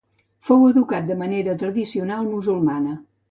Fou educat de manera tradicional musulmana.